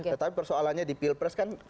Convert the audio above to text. tetapi persoalannya di pilpres kan